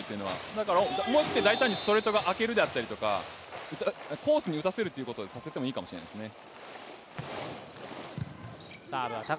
だから思い切って大胆にストレートを開けることやコースに打たせるということをさせてもいいかもしれないですね。